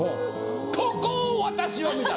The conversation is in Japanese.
ここを私は見た。